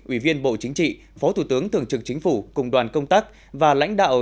ủy viên bộ chính trị phó thủ tướng thường trực chính phủ cùng đoàn công tác và lãnh đạo